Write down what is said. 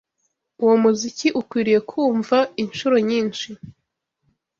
Uwo muziki ukwiriye kumva inshuro nyinshi.